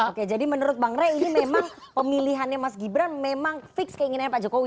oke jadi menurut bang rey ini memang pemilihannya mas gibran memang fix keinginannya pak jokowi